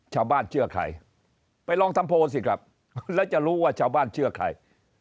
เชื่อใครไปลองทำโพลสิครับแล้วจะรู้ว่าชาวบ้านเชื่อใคร